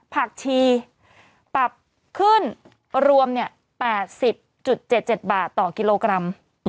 ผักชีปรับขึ้นรวม๘๐๗๗บาทต่อกิโลกรัม